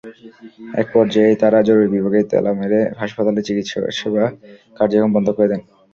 একপর্যায়ে তাঁরা জরুরি বিভাগে তালা মেরে হাসপাতালের চিকিৎসাসেবা কার্যক্রম বন্ধ করে দেন।